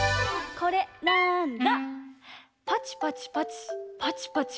これなんだ？